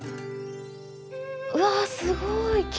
わすごい。